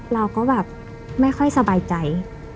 เราก็แบบไม่ค่อยสบายใจ